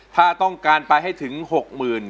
ถ้าต้องการไปให้ถึงหกหมื่น